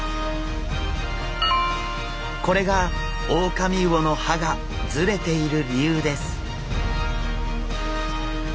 これがオオカミウオの歯がズレている理由です。